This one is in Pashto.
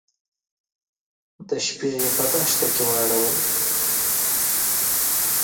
د شپې يې په دښته کې واړول.